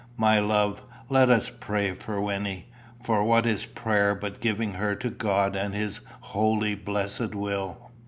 My love, let us pray for Wynnie; for what is prayer but giving her to God and his holy, blessed will?"